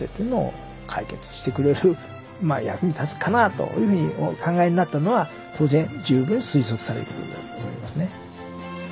というふうにお考えになったのは当然十分に推測されることであると思いますね。